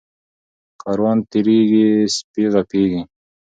ـ کاروان تېريږي سپي غپيږي.